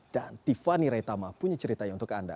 dan tiffany raitama punya ceritanya untuk anda